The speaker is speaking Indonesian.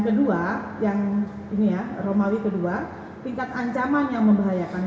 pertama tvm seseorang storage termasukkan sebuah hangganet datang